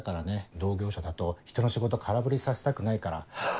同業者だとひとの仕事空振りさせたくないからハッ！